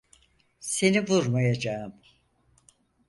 Seni vurmayacağım.